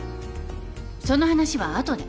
その話は後で。